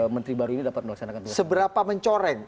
menteri baru ini dapat melaksanakan seberapa mencoreng